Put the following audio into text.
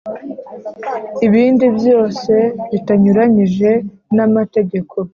Ibindi byose bitanyuranyije n amategeko